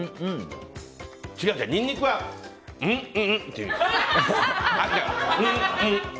違う、ニンニクはん、んんっていう。